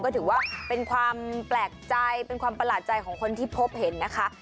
ก็ถือว่าเป็นความแปลกใจเป็นความประหลาดใจของคนที่พบเห็นนะคะ